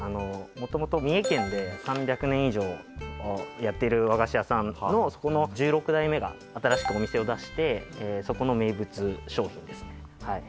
もともと三重県で３００年以上やっている和菓子屋さんのそこの１６代目が新しくお店を出してそこの名物商品ですね